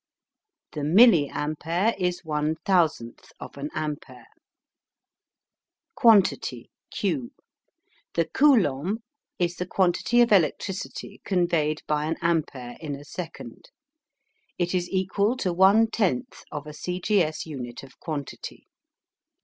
The milliampere is one thousandth of an ampere. QUANTITY Q. The Coulomb is the quantity of electricity conveyed by an ampere in a second. It is equal to one tenth of a C. G. S. unit of quantity.